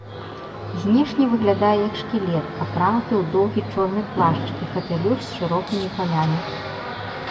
Знешне выглядае як шкілет, апрануты ў доўгі чорны плашч і капялюш з шырокімі палямі.